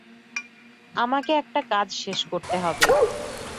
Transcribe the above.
আমাকে একটা কাজ শেষ করতে হবে।